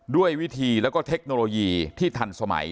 ด้วยวิธีแล้วก็เทคโนโลยีที่ทันสมัย